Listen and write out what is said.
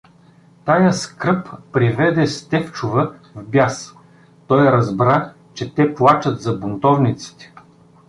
Тая скръб приведе Стефчова в бяс: той разбра, че те плачат за бунтовниците.